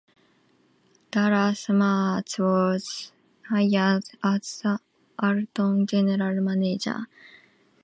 Dallas Martz was hired as the Alton General Manager.